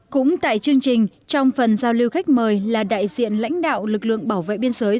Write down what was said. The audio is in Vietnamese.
cũng tại chương trình trong phần giao lưu khách mời là đại diện lãnh đạo lực lượng bảo vệ biên giới